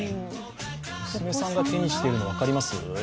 娘さんが手にしているの、分かります？